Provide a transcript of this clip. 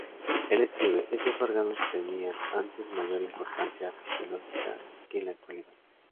Él escribe: "Esos órganos tenían antes mayor importancia fisiológica que en la actualidad.